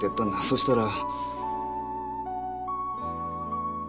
そしたら。